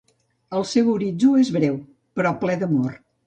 El seu horitzó és breu, però ple d’amor.